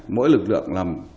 mỗi lực lượng làm